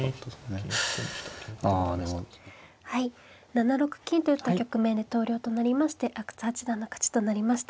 ７六金と打った局面で投了となりまして阿久津八段の勝ちとなりました。